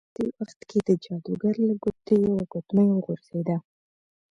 په دې وخت کې د جادوګر له ګوتې یوه ګوتمۍ وغورځیده.